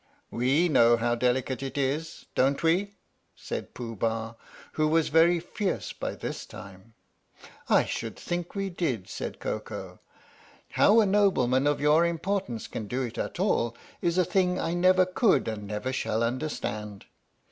"We know how delicate it is, don't we?" said Pooh Bah, who was very fierce by this time. " I should think we did," said Koko. " How a nobleman of your importance can do it at all is a thing I never could and never shall understand.